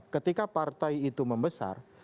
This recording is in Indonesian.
ketika partai itu membesar